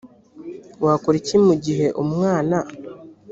wakora iki mu gihe umwana